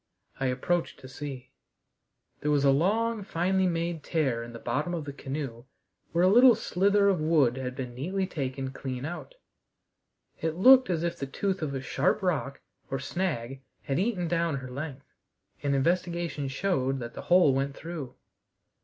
I approached to see. There was a long, finely made tear in the bottom of the canoe where a little slither of wood had been neatly taken clean out; it looked as if the tooth of a sharp rock or snag had eaten down her length, and investigation showed that the hole went through.